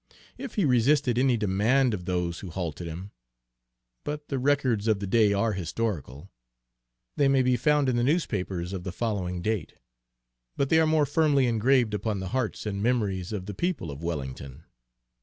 If he resisted any demand of those who halted him But the records of the day are historical; they may be found in the newspapers of the following date, but they are more firmly engraved upon the hearts and memories of the people of Wellington.